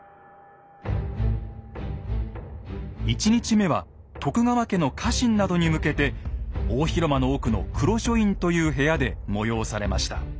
１日目は徳川家の家臣などに向けて大広間の奥の「黒書院」という部屋で催されました。